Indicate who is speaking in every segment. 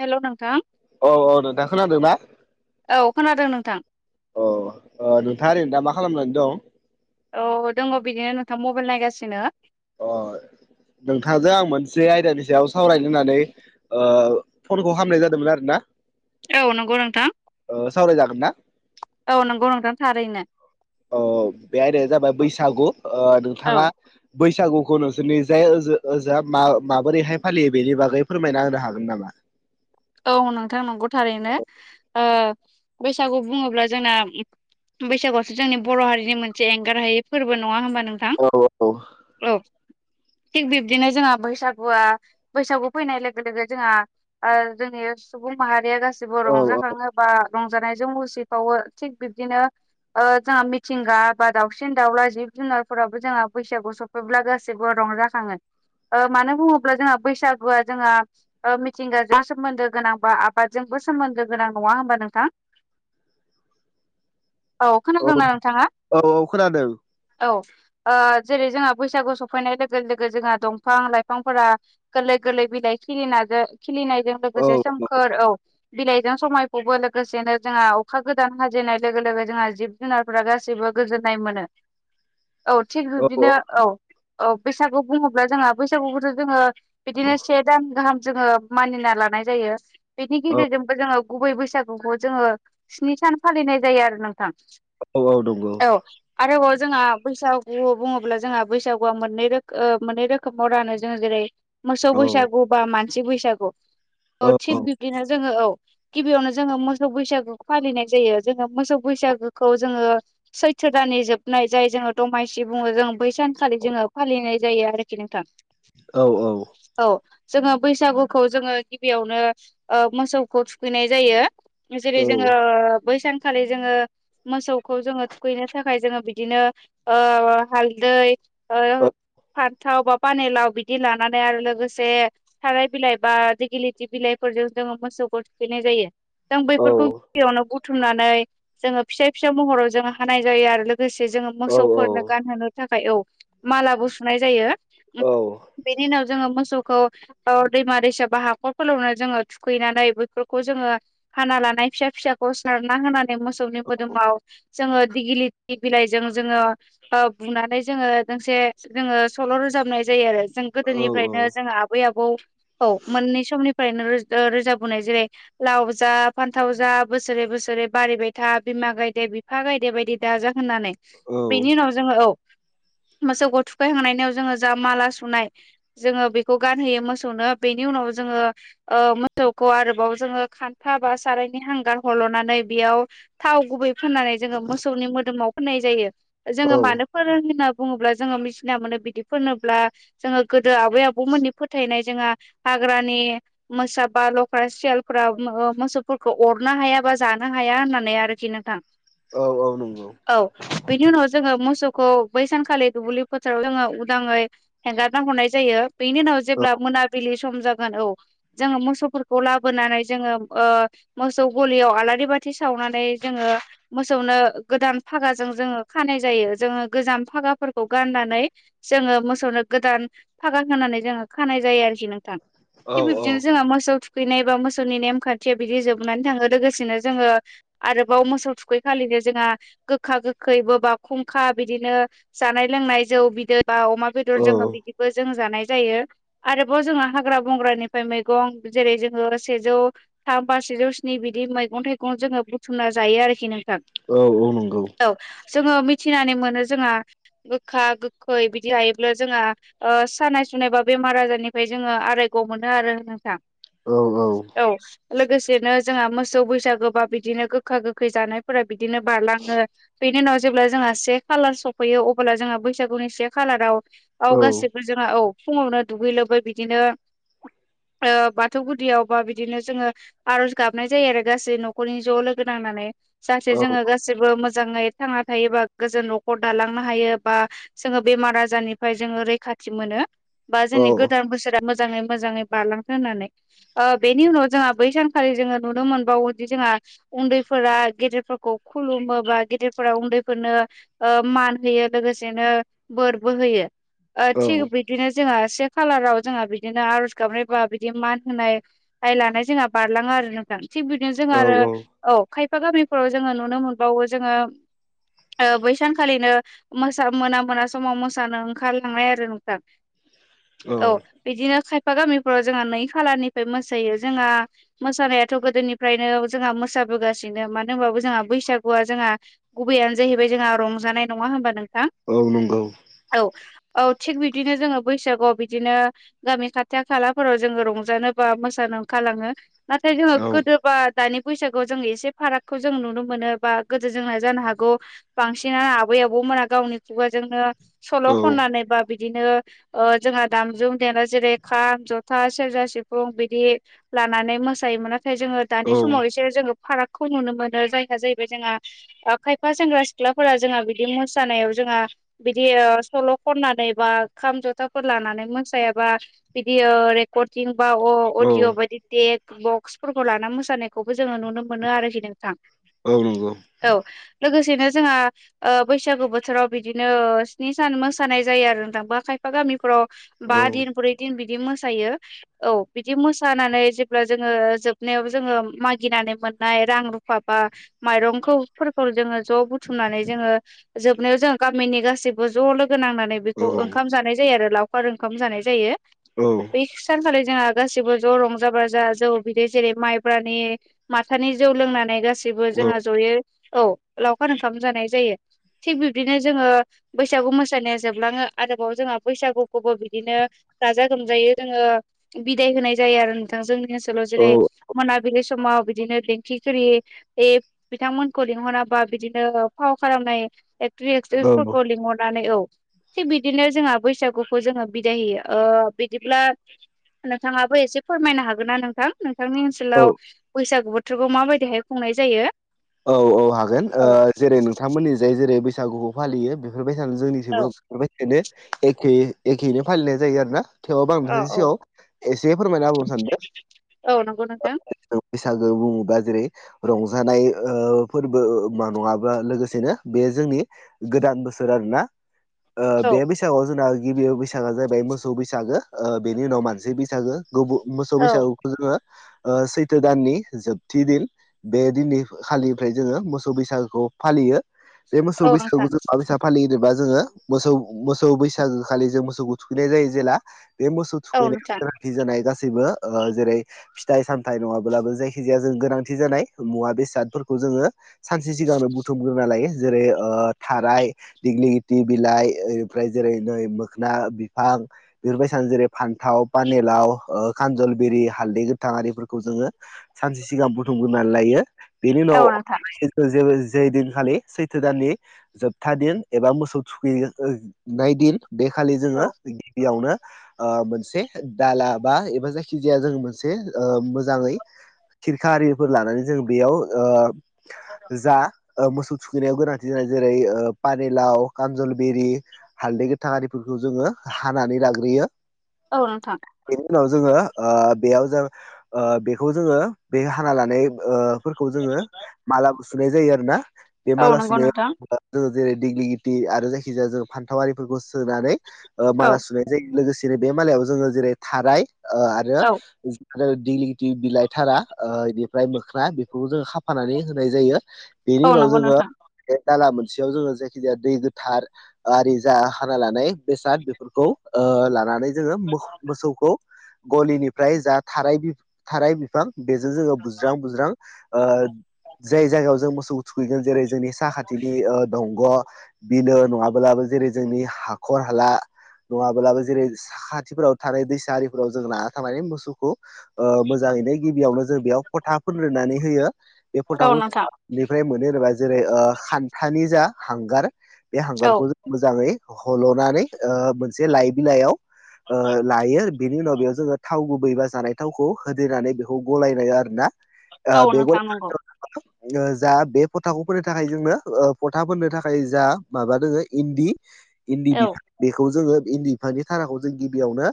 Speaker 1: हेल नोंथां।
Speaker 2: औ औ नोंथां खोनादोंना?
Speaker 1: औ खोनादों नोंथां।
Speaker 2: अ ओ नोंथाङा ओरैनो दा मा खालामनानै दं?
Speaker 1: औ दङ बिदिनो नोंथां मबाइल नायगासिनो।
Speaker 2: अ नोंथांजों आं मोनसे आयदानि सायाव सावरायनो होननानै फनखौ खामनाय जादोंमोन आरो ना
Speaker 1: औ नंगौ नोंथां
Speaker 2: सावरायजागोन ना
Speaker 1: औ नंगौ नोंथां थारैनो
Speaker 2: अ बेह जाबाय बैसागु
Speaker 1: औ
Speaker 2: नोंथाङा बैसागुखौ नोंसोरनि जाय ओ ओजोआ मा माबोरैहाय फालियो बेनि बागै फोरमायना होनो हागोन नामा?
Speaker 1: औ नोंथां नंगौ थारैनो ओ बैसागु बुङोब्ला जोंना बैसागुआसो जोंनि बर' हारिनि मोनसे एंगार हायै फोरबो नङा होनबा नोंथां।
Speaker 2: औ औ।
Speaker 1: औ थिग बिबदिनो जोंहा बैसागुआ बैसागु फैनाय लोगो लोगो जोंहा जोंनि सुबुं माहारिया गासिबो
Speaker 2: औ
Speaker 1: रंजाखाङोबा रंजानायजों मुसिफावो थिग बिबदिनो जोंहा मिथिंगा बा दाउसिन दाउला जिब जुनारफोराबो जोंहा बैसागु सम बेब्ला गाससिबो रंजाखाङो मानो बुङोब्ला जोंहा बैसागुआ जोंहा मिथिंगा जासट सोमोन्दो गोनां बा आबादजोंबो सोमोन्दो गोनां नङा होमबा नोंथां
Speaker 2: औ
Speaker 1: खोनादोंना नोंथाङा
Speaker 2: औ खोनादों
Speaker 1: औ जेरै जोंहा बैसागु सफैनाय लोगो लोगो जोंहा दंफां लाइफांफोरा गोरलै गोरलै बिलाइ खिलिना खिलिनायजों
Speaker 2: औ
Speaker 1: लोगोसे सोमखोर औ बिलाइजों समायखौबो लोगोसेनो जोंहा अखा गोदान हाजेननाय लोगो लोगो जोंहा जिब जुनारफोरा गाससिबो गोजोननाय मोनो
Speaker 2: [inaudible] [unintelligible]
Speaker 1: औ थिग बिब्दिनो औ औ बैसागु बुङोब्ला जोंहा बैसागुखौथ जोङो बिदिनो से दान गाहाम जोङो मानिना लानाय जायो बेनि
Speaker 2: औ
Speaker 1: गेजेरजोंबो जोङो गुबै बैसागुखौ जोङो स्नि सान फालिनाय जायो आरो नोंथां
Speaker 2: औ औ नंगौ
Speaker 1: औ आरोबाव जोंहा बैसागु बुङोब्ला जोंहा बैसागुआ मोननै मोननै रोखोमाव रानो जोङो जेरै मोसौ
Speaker 2: औ
Speaker 1: बैसागु बा मानसि बैसागु औ थिग बिब्दिनो जोङो औ गिबियावनो जोङो मोसौ बैसागो फालिनाय जायो। जोङो मोसौ बैसागोखौ जोङो सैथो दाननि जोबनाय जाय जोङो दमासि बुङो जों बै सानखालि जोङो फालिनाय जायो आरोखि नोंथां।
Speaker 2: औ औ।
Speaker 1: औ जोङो बैसागुखौ जोङो गिबियावनो ओ मोसौखौ थुखैनाय जायो जेरै जोङो बै सान खालि जोङो मोसौखौ जोङो थुखैनो थाखाय जोङो बिदिनो ओ हालदै
Speaker 2: औ
Speaker 1: [unintelligible] थाव बा पानिलाव बिदि लानानै आरो लोगोसे थाराय बिलाइ बा [unintelligible] बिलाइफोरजों जोङो मोसौखौ थुखैनाय जायो जों
Speaker 2: औ
Speaker 1: बैफोरखौ
Speaker 2: औ
Speaker 1: गिबियावनो बुथुमनानै जोङो फिसा फिसा महराव जोङो हानाय जायो। आरो लोगोसे जोङो
Speaker 2: औ औ
Speaker 1: मोसौफोरनो गानहोनो थाखाय औ मालाबो सुनाय जायो। बेनि उनाव जोङो मोसौखौ ओ दैमा दैसा बाहा फोरावनो जोङो थुखैनानै बैफोरखौ जोङो हाना लानाय फिसा फिसाखौ सारना होनानै मोसौनि मोदोमाव जोङो दिगिलिथि बिलाइजों जोङो बुनानै जोङो दोंसे जोङो सल' रोजाबनाय जायो आरो जों गोदोनिफ्रायनो जोंङो आबै आबौ औ मोननि समनिफ्रायनो रोजाबबोनाय जेरै लाव जा फान्थाव जा बोसोरे बोसोरे बारिबाय था बिमा गायदे गायदे बायदि दाजा होननानै
Speaker 2: औ
Speaker 1: बेनि उनाव जोङो औ मोसौखौ थुखैखांनायनि उनाव जोङो जा माला सुनाय जोङो बेखौ गानहोयो मोसौनो बेनि उनाव जोङो ओ मोसौखौ आरोबाव जोङो खान्था बा सारायनि हांगार हल'नानै बेयाव थाव गुबै फोननानै जोङो मोसौनि मोदोमाव फोननाय जायो
Speaker 2: औ
Speaker 1: जोङो मानो फोरों होनना बुङोब्ला जोङो मिथिना मोनो बिदि फोनोब्ला जोङो गोदो आबै आबौमोननि फोथायनाय जोंहा हाग्रानि मोसा बा लख्रा सियालफ्रा मोसौफोरखौ अरनो हाया बा जानो हाया होननानै आरोखि [unintelligible]
Speaker 2: औ औ नंगौ।
Speaker 1: औ बेनि उनाव जोङो मोसौखौ बै सानखालि दुब्लि फोथाराव जोङो उदाङै हेंगारना हरनाय जायो बेनि उनाव
Speaker 2: औ
Speaker 1: जेब्ला मोनाबिलि सम जाबाय औ जोङो मोसौफोरखौ लाबोनानै जोङो ओ मोसौ गलियाव आलारि सावनानै जोङो सौनो गोदान फागाजों जोङो खानाय जायो जोङो गोजान फागाफोरखौ गाननानै जोङो मोसौनो गोदान फागा होनानै जोङो खानाय जायो आरोखि नोंथां।
Speaker 2: औ
Speaker 1: थिग बिबदिनो जोंहा मोसौ थुखैनाय बा मोसौनि नेम खान्थिया बिदि जोबनानै थाङो। लोगोसेनो जोङो आरोबाव मोसौ थुखैखालिनो जोंहा गोखा गोखैबो बा खुंखा बिदिनो जानाय लोंनाय जौ बिदै बा अमा
Speaker 2: औ
Speaker 1: बेदर जोङो बिदिबो जों जानाय जायो। आरोबाव जोंहा हाग्रा बंग्रानिफ्राय मैगं जेरै जोङो सेजौ थाम बा सेजौ स्नि बिदि मैगं थाइगं जोङो बुथुमना जायो आरोखि नोंथां।
Speaker 2: औ औ नंगौ।
Speaker 1: औ जोङो मिथिनानै मोनो जोंहा गोखा गोखै बिदि जायोब्ला जोंहा ओ सानाय सुनाय बा बेमार आजारनिफ्राय जोङो आरो मोनो आरो नोंथां औ लोगोसेनो जोंहा मोसौ बैसागो बा बिदिनो गोखा गोखै जानायफोरा बिदिनो बारलाङो। बेनि उनाव जेब्ला जोंहा से खालार सफैयो अब्ला जोंहा बैसागुनि से खालाराव औ गासैबो जोंहा औ फुङावनो दुगै लोबै बिदिनो ओ बाथौ गुदियाव बा बिदिनो जोङो आर'ज गाबनाय जायो आरो। गासै न'खरनि ज' लोगो नांनानै जाहाथे जोङो गासैबो मोजाङै थांना थायोबा गोजोन न'खर दालांनो हायो बा जोङो बेमार आजारनिफ्राय जोङो रैखाथि मोनो बा जोंनि गोदान बोसोरा मोजाङै मोजाङै बारलांखो होननानै बेनि उनाव जोंहा बै सानखालि जोङो नुनो मोनबावोदि जोंहा उन्दैफोरा गेदेरफोरखौ खुलुमो बा गेदेरफोरा उन्दैफोरनो मान होयो लोगोसेनो बोरबो होयो थिग बिदिनो जोंहा से खालाराव जोंहा बिदिनो आर'ज गाबनायबा बिदि मान होनाय आइ लानाय जोंहा बारलाङो आरो थां थिग बिदिनो जोङो
Speaker 2: औ
Speaker 1: आरो औ खायफा गामिफोराव जोङो नुनो मोनबावो जोङो बै सानखालिनो मोसा मोना मोना समाव मोसानो ओंखारलांनाय आरो नोंथां औ बिदिनो खायफा गामिफोराव जोंहा नै खालारनिफ्राय मोसायो जोंहा मोसानायाथ' गोदोनिफ्रायनो जोंहा मोसाबोगासिनो मानो होनबाबो जोंहा बैसागुआ जोंहा गुबैयानो जाहैबाय जोंहा रंजानाय नङा होमबा नोंथां
Speaker 2: औ नंगौ
Speaker 1: औ औ थिग बिदिनो जोङो बैसागआव बिदिनो गामि खाथि खालाफोराव जोङो रंजानो बा मोसानो ओंखारलाङो नाथाय जोङो
Speaker 2: औ
Speaker 1: गोदोबा दानि फैसाागखौ जों एसे फारागखौ जों नुनो मोनो बा गोदो जोंना जानो हागौ बांसिनानो आबै आबौमोना गावनि खुगाजोंनो सल' खननानै बा बिदिनो जोंहा दाम जुम देरा जेरै खाम जथा सेरजा सिफुं बिदि लानानै मोसायोमोन नाथाय जोङो दानि
Speaker 2: औ
Speaker 1: समाव एसे जोङो फारागखौ नुनो मोनो जायहा जाहैबाय जोंहा खायफा सेंग्रा सिख्लाफोरा जोंहा बिदि मोसानायाव जोंहा बिदि ओ सल' खननानै बा खाम जथाफोर लानानै मोसा बा बिदि ओ रेकर्ड दिं बा अ अदिअ बादि देग बक्सफोरखौ लाना मोसानायखौबो जोङो नुनो मोनो आरोखि नोंथां।
Speaker 2: औ नंगौ।
Speaker 1: औ लोगोसेनो जोंहा ओ बैसागु बोथोराव बिदिनो स्नि सान मोसानाय जायो आरो ना खायफा गामि फोराव बा दिन ब्रै दिन बिदि मोसायो। औ बिदि मोसानानै जेब्ला जोङो जोबनायाव जोङो मागिनानै मोननाय रां रुफा बा माइरंखौफोरखौ जोङो ज' बुथुमनानै जोङो जोबनायाव जों गामिनि गाैबो ज' लोगो नांनानै बेखौ ओंखाम जानाय जायो आरो लावखार ओंखाम जानाय जायो
Speaker 2: औ
Speaker 1: बे सानखालि जोंहा गाससिबो ज' रंजा बाजा जौ बिदै जेरै माइब्रानि माथानि जौ लोंनानै गासैबो जोंहा जयै औ लावखार ओंखाम जानाय जायो। थिग बिब्दिनो जोङो बैसागु मोसानाया जोबलाङो आरोबाव जोंहा बैसागुखौबो बिदिनो गाजा गोमजायै जोङो बिदाय होनाय जायो आरो नोंथां जोंनि ओनसोलाव जेरै मोनाबिलि समाव बिदिनो [unintelligible] ए बिथांमोनखौ लिंहराबा बिदिनो फाव खालामनाय। [unintelligible] फोरखौ लिंहरनानै औ थिग बिदिनो जोंहा बैसागुखौ जोङो बिदाय होयो। ओ बिदिब्ला नोंथाङाबो एसे फोरमायनो हागोन ना नोंथां नोंथांनि
Speaker 2: औ
Speaker 1: सोलाव बैसागु बोथोरखौ माबायदिहाय खुंनाय जायो।
Speaker 2: औ औ हागोन ओ
Speaker 1: औ
Speaker 2: जेरै नोंथांमोननि जाय जेरै बैसागुखौ फालियो बेफोरबायदिनो
Speaker 1: औ
Speaker 2: जोंनि [unintelligible] एखेैनो फालिनाय जायो आरो ना। थेवबाबो आं
Speaker 1: औ
Speaker 2: नोंथांनि
Speaker 1: औ
Speaker 2: सिगाङाव एसे फोरमायना होबावनो सानदों।
Speaker 1: औ नंगौ नोंथां
Speaker 2: बैसागो बुङोबा जेरै रंजानाय ओ फोरबो मा नङाबा लोगोसेनो बे जोंनि गोदान बोसोर आरोना। ओ
Speaker 1: औ
Speaker 2: बे बैसागोआव जोंना गिबि बैसागा जाहैबाय मोसौ बैसागो ओ बेनि उनाव मानसि बैसागो। गुबु मोसौ
Speaker 1: औ
Speaker 2: बैसागुखौ जोङो ओ सैथो दाननि जोबथि दिन बे दिननि खालिनिफ्राय जोङो मोसौ बैसागुखौ फालियो बे मोसौ
Speaker 1: औ नोंथां
Speaker 2: बैसागुखौ जों [unintelligible] फालिनोबा जोङो मोसौ मोसौ बैसागो खालि जों मोसौखौ थुखैनाय जायो जेला बे मोसौ
Speaker 1: औ
Speaker 2: थुखैनाय
Speaker 1: नोंथां
Speaker 2: सांथि जानाय गासैबो ओ जेरै फिथाइ सामथाय नङाब्लाबो जायखि जाया जों गोनांथि जानाय मुवा बेस सादफोरखौ जोङो सानसे सिगांनो बुथुमग्रोना लायो जेरै ओ थाराय। दिग्लि लिथि बिलाइ ओनिफ्राय जेरै नै मोखोना बिफां। बेफोरबायसानो जेरै फान्थाव पानिलाव ओ खानजलबेरि हालदै गोथां आरिफोरखौ जोङो सानसे सिगां बुथुमग्रोनानै लायो बेनि
Speaker 1: औ
Speaker 2: उनाव
Speaker 1: नोंथां
Speaker 2: जे जै दिनखालि सैथ्र दाननि जोबथा दिन एबा मोसौ थुखैनाय दिन बेखालि जोङो
Speaker 1: औ
Speaker 2: गिबियावनो ओ मोनसे दाला बा एबा जायखि जाया जों मोनसे ओ मोजाङै खिरखा आरिफोर लानानै जों बेयाव ओ जा ओ मोसौ थुखैनायाव गोनांथि जानाय जेरै ओ पानिलाव कानजलबेरि हालदै गोथां आरिफोरखौ जोङो हानानै लाग्रोयो।
Speaker 1: औ नोंथां।
Speaker 2: बेनि उनाव जोङो ओ बेयाव जों ओ बेखौ जोङो बे हाना लानाय ओ फोर खौ जोङो माला सुनाय जायो आरोना बे
Speaker 1: औ
Speaker 2: माला
Speaker 1: नंगौ
Speaker 2: सुनायाव
Speaker 1: नोंथां
Speaker 2: जोङो जेरै दिग्लि लिथि आरो जायखि जाया जों फान्थाव आरिफोरखौ सोनानै ओ
Speaker 1: औ
Speaker 2: माला सुनाय। जाय लोगोसेनो बे मालायाव जोङो जेरै थाराय ओ आरो
Speaker 1: औ
Speaker 2: [unintelligible] [unintelligible] बिलाइथारा ओ बेनिफ्राय मोख्रा बेफोरखौ जों खाफानानै होनाय जायो। बेनि
Speaker 1: औ
Speaker 2: उनाव
Speaker 1: नंगौ
Speaker 2: जोङो
Speaker 1: नोंथां
Speaker 2: बे दाला मोनसेयाव जोङो जायखि जाया दै गोथार आरि जा हाना लानाय बेसाद बेफोरखौ ओ लानानै जोङो मोसौखौ गलिनिफ्राय जा थाराय थाराय बिफां बेजों जोङो बुज्रां बुज्रां ओ जाय जायगायाव जों मोसौ थुखैगोन जेरै जोंनि साहा थिंनि ओ दंग' बिलो नङाब्लाबो जेरै जोंनि हाखर हाला नङाब्लाबो जेरै साखाथिफोराव थानाय दैसारि फोराव जों लाना थांनानै मोसौखौ ओ मोजाङैनो गिबियावनो जों बेयाव फथा फोनग्रोनानै होयो। बे
Speaker 1: औ
Speaker 2: फोथाखौ
Speaker 1: नोंथां
Speaker 2: माबेनिफ्राय मोनो होनोबा जेरै ओ खान्थानि जा हांगार बे
Speaker 1: औ
Speaker 2: हांगारखौ मोजाङै हल'नानै ओ मोनसे लाइ बिलाइयाव ओ लायो । बिनि उनाव बेयाव जोङो थाव गुबै बा जानाय थावखौ होदेरनानै बेखौ गलायनाय आरोना ओ
Speaker 1: औ
Speaker 2: बेग'ल
Speaker 1: नोंथां नंगौ
Speaker 2: ओ जा बे फथाखौ फोननो थाखाय जोंनो ओ फथा फोननो थाखाय जा माबा दोङो इन्दि इन्दि
Speaker 1: औ
Speaker 2: बिफां बेखौ जोङो इन्दि बिफांनि थाराखौ जों गिबियावनो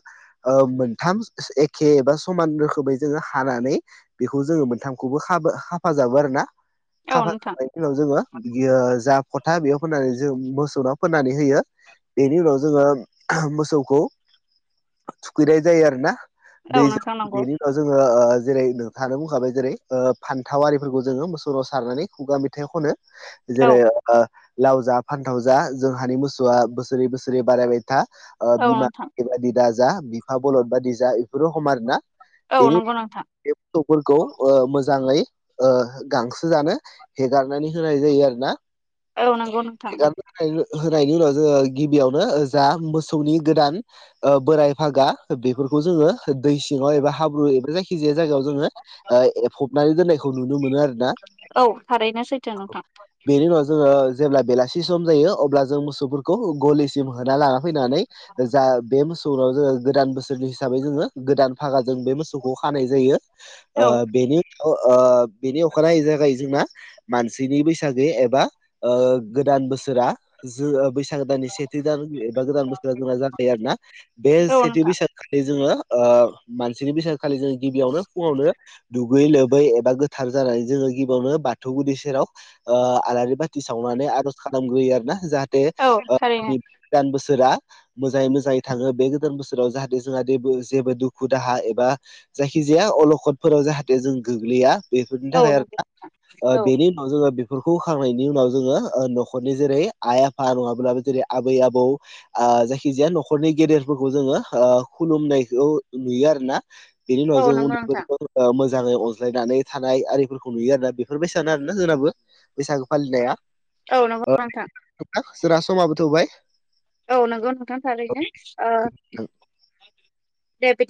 Speaker 2: ओ मोनथाम एखे एबा समान रोखोमै जोङो हानानै बेखौ जोङो मोनथामखौबो खाफा खाफाजाबो आरो ना
Speaker 1: औ नोंथां
Speaker 2: खाफाब नाव जोङो बियो जा फथा बेयाव फोननानै जों मोसौनाव फोननानै होयो। बेनि उनाव जोङो मोसौखौ थुखैनाय जायो आरोना
Speaker 1: औ
Speaker 2: दैजों
Speaker 1: नोंथां नंगौ
Speaker 2: बेनि उनाव जोङो ओ जेरै सानो बुंखाबाय जेरै फान्थाव आरिफोरखौ जोङो मोसौाव सारनानै खुगा मेथाइ खनो
Speaker 1: औ
Speaker 2: जेरै ओ लाव जा फान्थाव जा जोंहानि मोसौआ बोसोरै बोसोरै बारायबाय था ओ
Speaker 1: औ
Speaker 2: बिमा
Speaker 1: नोंथां
Speaker 2: बादि दा जा बिफा बलद बादि जा बेफोरो हम आरोना
Speaker 1: औ नंगौ नोंथां
Speaker 2: गथ'फोरखौ ओ मोजाङै ओ गांसो जानो हेगारनानै होनाय जायो आरो ना
Speaker 1: औ नंगौ नोंथां।
Speaker 2: होनायनि उनाव जोङो गिबियावनो जा मोसौनि गोदान बोराय फागा बेफोरखौ जोङो दै सिङाव एबा हाब्रु एबा जायखि जाया जायगायाव जोङो ओ एफबनानै दोननायखौ नुनो मोनो आरो ।
Speaker 1: औ थारैनो सैथो नोंथां।
Speaker 2: बेनि उनाव जोङो जेब्ला बेलासि सम जायो अब्ला जों मोसौफोरखौ गलि सिम होना लाना फैनानै जा बे मो सौनाव जोङो गोदान बोसोरनि हिसाबै जोङो गोदान भागा जों बे मोसौखौ खानाय जायो। ओ
Speaker 1: औ
Speaker 2: बेनि अ ओ बेनि अखानायै जागायो जोंना मानसिनि बैसागै एबा ओ गोदान बोसोरा जो बैसागो दाननि सेथि दान एबा गोदान बोसोरा जोंना जायो आरो ना बे
Speaker 1: औ
Speaker 2: सेथि
Speaker 1: नोंथां
Speaker 2: बैसाग खालि जोङो ओ मानसिनि बैसागो खालि जों गिबियावनो फुङावनो दुगै लोबै एबा गोथार जानानै जोङो गिबियावनो बाथौ गुदि सेराव ओ आलारि बाथि सावनानै आरज खालामग्रोयो आरो ना जाहाथे
Speaker 1: औ थारैनो
Speaker 2: [unintelligible] दान बोसोरा मोजाङै मोजाङै थाङो बे गोदान बोसोराव जाहाथे जोंहाे देबो जेबो दुखु दाहा एबा जायखिजाया अलखदफोराव जाहाथे जों गोग्लैया बेफोरनि
Speaker 1: औ
Speaker 2: थाखाय आरो
Speaker 1: नंगौ
Speaker 2: ना ओ
Speaker 1: औ
Speaker 2: बेनि जोङो बेफोरखौ खांनायनि उनाव जोङो ओ न'खरनि जेरै आइ आफा नङाब्ला जेरै आबै आबौ आ जायखिजाया न'खरनि गेदेरफोरखौ जोङो ओ खुलुमनायखौ नुयो आरो ना बिनि उनाव
Speaker 1: औ
Speaker 2: जोङो
Speaker 1: नंगौ
Speaker 2: उन
Speaker 1: नोंथां
Speaker 2: [unintelligible] मोजाङै अनज्लायनानै थानाय आरिफोरखौ नुयो आरो ना बेफोरबासानो आरो ना जोंनाबो बैसागु फालिनाया
Speaker 1: औ नंगौ नोंथां।
Speaker 2: होमबा जोंना समाबो थबाय।
Speaker 1: औ नंगौ नोंथां थारैनो ओ दे बिदि